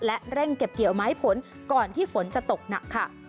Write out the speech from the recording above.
และเร่งเก็บเกี่ยวไม้ผลก่อนที่ฝนจะตกหนักค่ะ